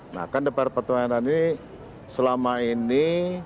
nah kan dpr pertahanan ini selama ini